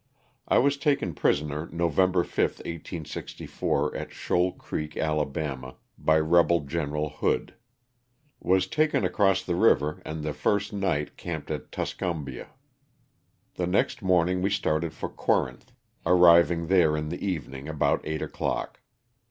I was taken prisoner November 5, 18H4, at Shoal Creek, Ala , by rebel Gen. Hood. Was taken across the river, and the first night camped at Tuscumbia. The next morning we started for Corinth, arriving there in the evening about eight o'clock.